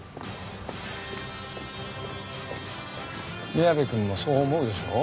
宮部くんもそう思うでしょ？